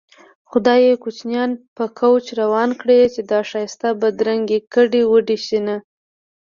خدايه کوچيان په کوچ روان کړې چې دا ښايسته بدرنګې ګډې وډې شينه